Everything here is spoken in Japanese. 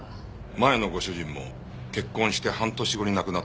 前のご主人も結婚して半年後に亡くなってるそうですね。